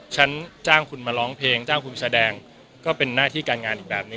ฉันจ้างคุณมาร้องเพลงจ้างคุณแสดงก็เป็นหน้าที่การงานอีกแบบหนึ่ง